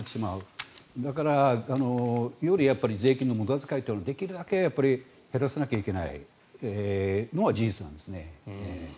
だからより税金の無駄遣いというのはできるだけ減らさなきゃいけないのは事実なんですね。